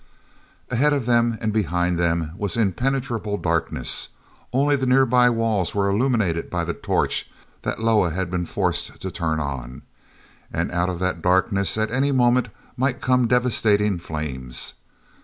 Ahead of them and behind them was impenetrable darkness; only the nearby walls were illumined by the torch that Loah had been forced to turn on. And out of that darkness at any moment might come devastating flames.